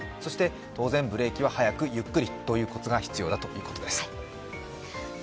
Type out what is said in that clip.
当然、ブレーキは早くゆっくりというこつが必要だということです。